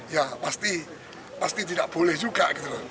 ya pasti tidak boleh juga